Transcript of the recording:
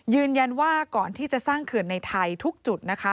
ยืนยันว่าก่อนที่จะสร้างเกินในไทยทุกจุด